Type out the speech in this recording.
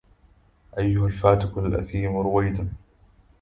أيها الفاتك الأثيم رويدا